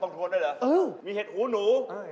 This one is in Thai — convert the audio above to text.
ต้องโทนได้เหรอเออมีเห็ดหูหนู